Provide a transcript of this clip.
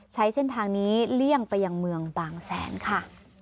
ใช้เส้นทางนี้เลี่ยงไปยังเมืองบางแสนค่ะ